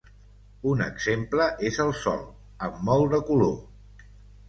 Un exemple és el sol, amb molt de color.